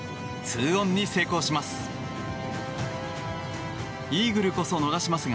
２オンに成功します。